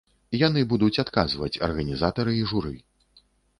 Яны будуць адказваць, арганізатары і журы.